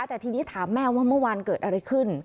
แต่ทีนี้ถามแม่ว่าเมื่อวานเกิดอะไรขึ้น